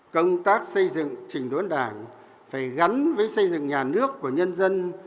công tác xây dựng trình đốn đảng phải gắn với xây dựng nhà nước của nhân dân